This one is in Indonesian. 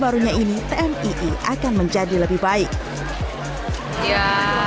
barunya ini tmii akan menjadi lebih baik ya